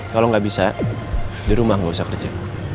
kalau gak bisa di rumah gak usah kerja